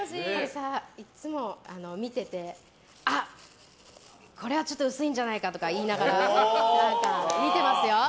いつも見てて、これはちょっと薄いんじゃないかとか言いながら見てますよ。